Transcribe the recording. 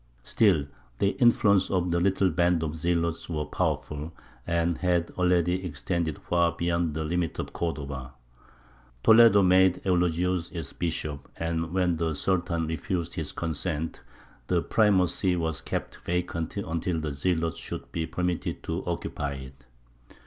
Still, the influence of the little band of zealots was powerful, and had already extended far beyond the limits of Cordova. Toledo made Eulogius its bishop, and when the Sultan refused his consent, the primacy was kept vacant until the zealot should be permitted to occupy it.